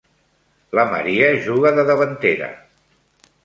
La Maria juga de davantera.